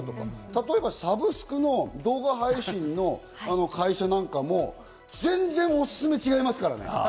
例えば、サブスクの動画配信の会社なんかも、全然おすすめ違いますからね。